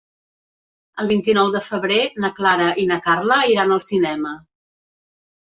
El vint-i-nou de febrer na Clara i na Carla iran al cinema.